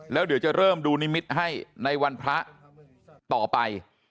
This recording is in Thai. แล้วเดี๋ยวจะเริ่มดูนิมิตรให้ในวันพระต่อไป